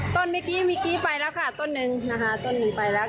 ต้นเมื่อกี้ไปแล้วค่ะต้น๑นะคะต้น๑ไปแล้ว